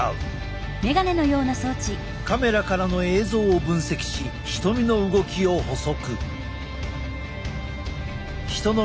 カメラからの映像を分析し瞳の動きを捕捉。